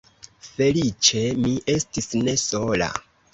Feliĉe mi estis ne sola.